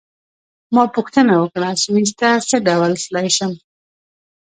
ما پوښتنه وکړه: سویس ته څه ډول تلای شم؟